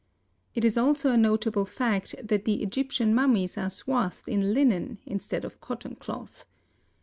It is also a notable fact that the Egyptian mummies are swathed in linen instead of cotton cloth.